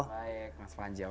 baik mas panji apa kabar